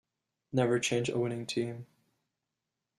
Never change a winning team.